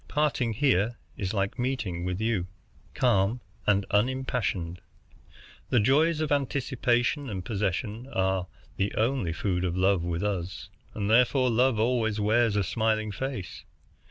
Parting here is like meeting with you, calm and unimpassioned. The joys of anticipation and possession are the only food of love with us, and therefore Love always wears a smiling face.